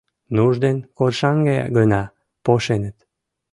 Нуж ден коршаҥге гына пошеныт.